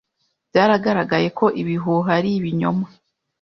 Byaragaragaye ko ibihuha ari ibinyoma.